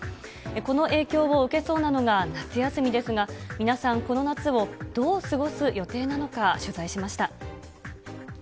この影響を受けそうなのが夏休みですが、皆さん、この夏をどう過ごす予定なのか、取材しました。